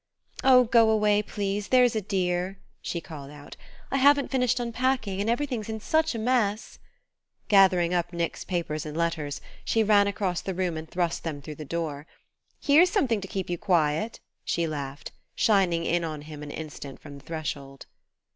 "Oh, go away, please, there's a dear," she called out; "I haven't finished unpacking, and everything's in such a mess." Gathering up Nick's papers and letters, she ran across the room and thrust them through the door. "Here's something to keep you quiet," she laughed, shining in on him an instant from the threshold.